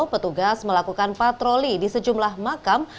petugas melakukan patroli di sejumlah makam